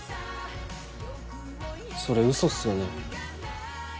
それウソっすよね。